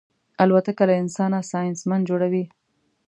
الوتکه له انسانه ساینسمن جوړوي.